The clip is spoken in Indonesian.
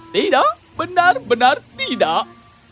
tidak benar benar tidak